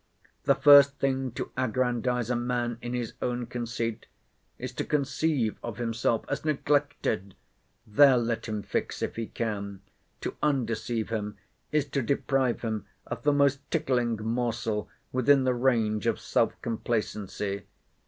The first thing to aggrandise a man in his own conceit, is to conceive of himself as neglected. There let him fix if he can. To undeceive him is to deprive him of the most tickling morsel within the range of self complacency.